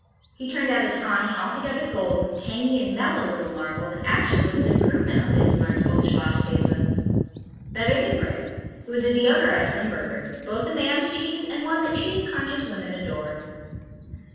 He turned out a tawny, altogether golden, tangy and mellow little marvel that actually was an improvement on Bismarck's old Schlosskäse. Better than Brick, it was a deodorized Limburger, both a man's cheese and one that cheese conscious women adored.